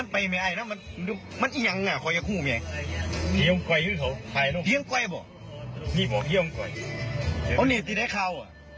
พี่บอกเฮียมก่อนเพราะนี่ติดให้เขา